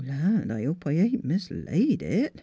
"Land! I hope I ain't mislaid it